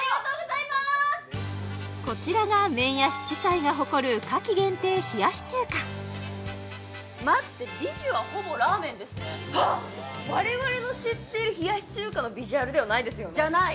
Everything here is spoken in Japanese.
こちらが麺や七彩が誇る夏季限定冷やし中華待って我々の知ってる冷やし中華のビジュアルではないですよねじゃない